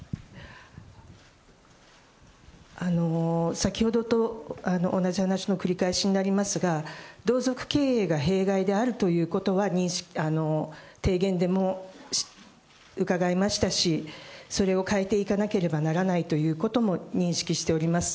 先ほどと同じ話の繰り返しになりますが、同族経営が弊害であるということは提言でも伺いましたし、それを変えていかなければならないということも認識しております。